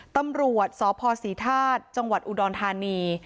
ตำรวจสพศรีธาตุจังหวัดอุดรธานี